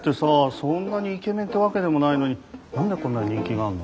そんなにイケメンってわけでもないのに何でこんなに人気があるの？